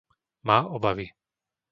Má obavy.